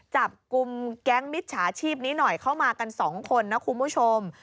จับกลุ่มแก๊งมิจฉาชีพนี้หน่อยเข้ามากันสองคนนะคุณผู้ชม